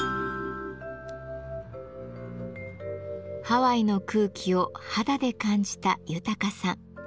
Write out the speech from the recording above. ハワイの空気を肌で感じた豊さん。